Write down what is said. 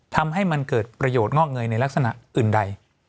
ทำให้มันเกิดประโยชน์งอกเงยในลักษณะอื่นใด